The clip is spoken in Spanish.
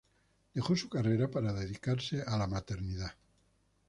Dejó su carrera para dedicarse a la maternidad.